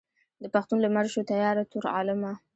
د پښتون لمر شو تیاره تور عالمه.